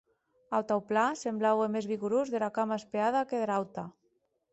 Autanplan semblaue mès vigorós dera cama espeada que dera auta.